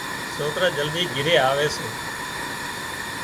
سوڪران جلدي گھري آوي سي